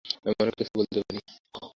আমি অনেক কিছুই বলতে পারি।